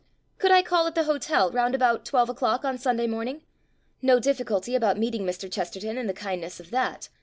. .could I call at the hotel round about twelve o'clock on Sunday morning? No difficulty about meeting Mr. Chesterton in the kind ness of that.